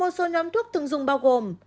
một số nhóm thuốc thường dùng bao gồm